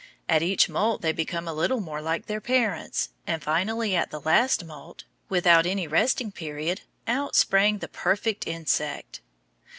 At each moult they became a little more like their parents, and finally at the last moult, without any resting period, out sprang the perfect insect.